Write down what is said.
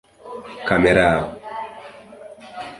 kamerao